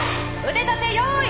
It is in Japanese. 腕立て用意！